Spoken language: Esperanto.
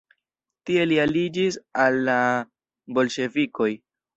Tie li aliĝis al la Bolŝevikoj.